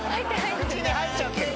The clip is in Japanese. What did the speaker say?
口に入っちゃってる。